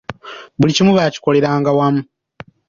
Buli kimu baakikoleranga wamu.